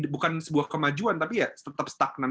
bukan sebuah kemajuan tapi ya tetap stagnan